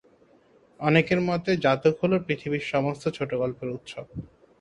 অনেকের মতে 'জাতক' হল পৃথিবীর সমস্ত ছোট গল্পের উৎস।